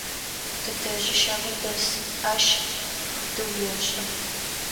Тэтэжъи щагум дэс, ащ хъытыу ешӏы.